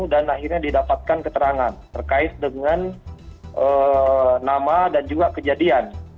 akhirnya didapatkan keterangan terkait dengan nama dan juga kejadian